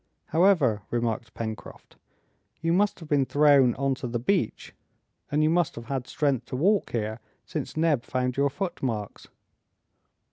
"However," remarked Pencroft, "you must have been thrown on to the beach, and you must have had strength to walk here, since Neb found your footmarks!"